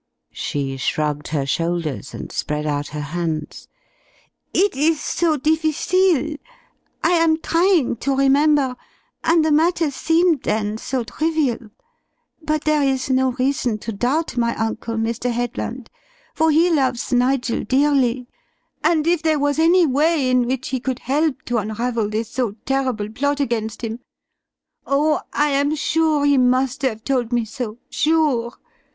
She shrugged her shoulders and spread out her hands. "It is so difficile. I am trying to remember, and the matter seemed then so trivial! But there is no reason to doubt my uncle, Mr. Headland, for he loves Nigel dearly, and if there was any way in which he could help to unravel this so terrible plot against him Oh! I am sure he must have told me so, sure!